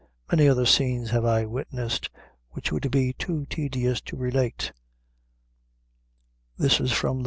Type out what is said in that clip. Many other scenes have I witnessed, which would be too tedious to relate.'